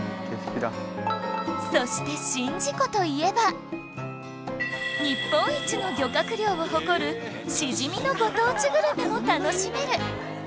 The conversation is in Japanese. そして宍道湖といえば日本一の漁獲量を誇るしじみのご当地グルメも楽しめる！